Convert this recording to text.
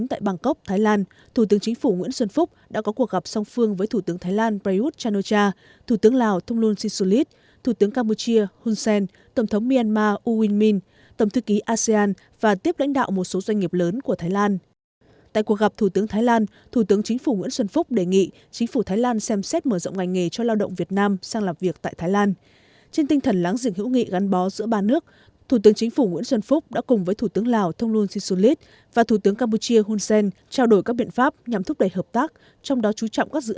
tại hội nghị thủ tướng chính phủ nguyễn xuân phúc đã đề xuất hợp tác apec